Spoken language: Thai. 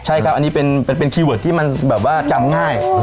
ใช่ครับอันนี้เป็นคีย์เวิร์ดที่มันแบบว่าจำง่าย